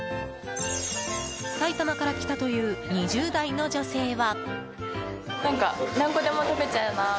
埼玉から来たという２０代の女性は。